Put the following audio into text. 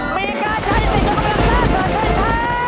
มีการใช้สิทธิ์ยกกำลังซ่าเกินด้วยครับ